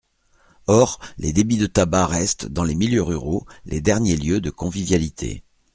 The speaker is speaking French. Or, les débits de tabac restent, dans les milieux ruraux, les derniers lieux de convivialité.